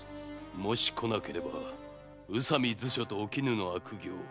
もし来なければ宇佐美図書とお絹の悪行